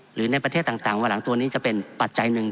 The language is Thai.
หรือในประเทศต่างวันหลังตัวนี้จะเป็นปัจจัยหนึ่ง